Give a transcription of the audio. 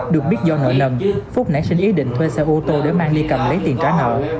được biết do nội lầm phúc nãy xin ý định thuê xe ô tô để mang đi cầm lấy tiền trả nợ